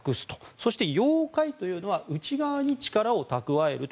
そして養晦というのは内側に力を蓄える。